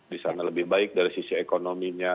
di sana lebih baik dari sisi ekonominya